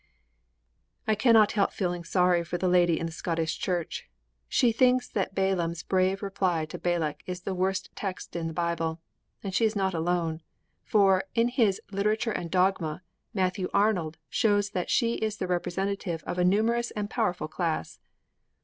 V I cannot help feeling sorry for the lady in the Scottish church. She thinks that Balaam's brave reply to Balak is the worst text in the Bible. And she is not alone. For, in his Literature and Dogma, Matthew Arnold shows that she is the representative of a numerous and powerful class.